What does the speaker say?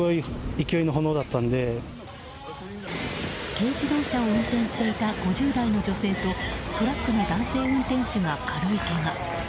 軽自動車を運転していた５０代の女性とトラックの男性運転手が軽いけが。